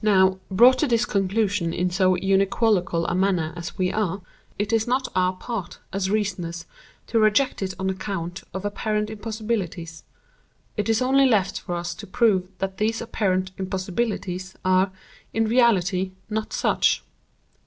Now, brought to this conclusion in so unequivocal a manner as we are, it is not our part, as reasoners, to reject it on account of apparent impossibilities. It is only left for us to prove that these apparent 'impossibilities' are, in reality, not such.